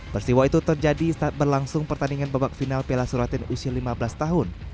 peristiwa itu terjadi saat berlangsung pertandingan babak final piala suratin usia lima belas tahun